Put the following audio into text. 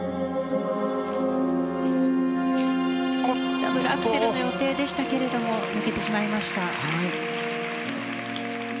ダブルアクセルの予定でしたが抜けてしまいました。